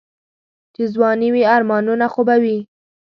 چې ځواني وي آرمانونه خو به وي.